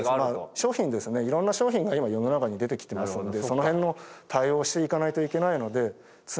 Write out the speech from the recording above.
商品ですねいろんな商品が今世の中に出てきてますのでその辺の対応していかないといけないので常に。